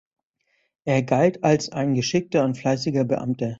Er galt als ein geschickter und fleißiger Beamter.